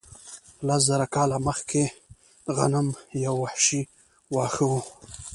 لس زره کاله مخکې غنم یو وحشي واښه و.